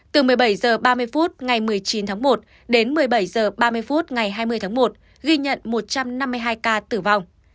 từ một mươi bảy h ba mươi phút ngày một mươi chín tháng một đến một mươi bảy h ba mươi phút ngày hai mươi tháng một ghi nhận một trăm năm mươi hai ca tử vong